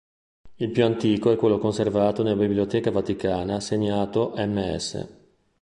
Il più antico è quello conservato nella Biblioteca Vaticana, segnato ms.